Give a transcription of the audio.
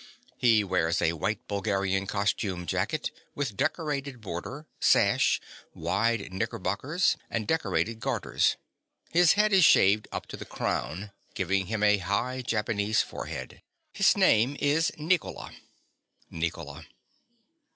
He wears a white Bulgarian costume jacket with decorated border, sash, wide knickerbockers, and decorated gaiters. His head is shaved up to the crown, giving him a high Japanese forehead. His name is Nicola. NICOLA.